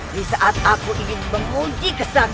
di saat aku ingin mengunci kesan